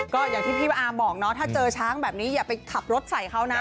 ก็อย่างที่พี่ว่าอาบอกเนาะถ้าเจอช้างแบบนี้อย่าไปขับรถใส่เขานะ